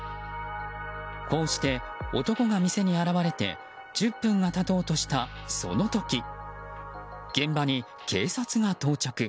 こうして男が店に現れて１０分が経とうとしたその時現場に警察が到着。